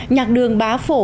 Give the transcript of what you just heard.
nhạc đường bá phổ